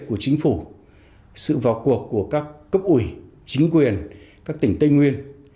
của chính phủ sự vào cuộc của các cấp ủy chính quyền các tỉnh tây nguyên